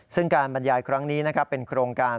ซึ่งการบรรยายครั้งนี้นะครับเป็นโครงการ